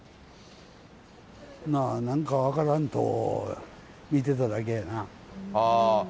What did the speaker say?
まあなんか分からんと、見てただけやな。